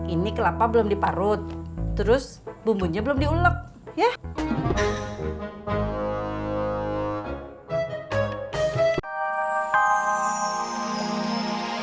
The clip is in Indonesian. ini kelapa belum diparut terus bumbunya belum diulek ya